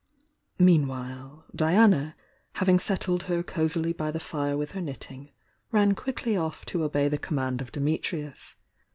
Mean while, Diana, having settled her cosily by the fire with her knitting, ran quickly off to obey the com mand of Dimitrius.